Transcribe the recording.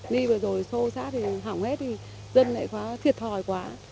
ni vừa rồi xô xát thì hỏng hết dân lại thiệt thòi quá